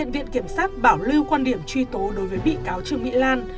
viện kiểm sát bảo lưu quan điểm truy tố đối với bị cáo trương mỹ lan